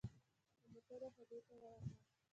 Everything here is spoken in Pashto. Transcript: د موټرو هډې ته ورغلم.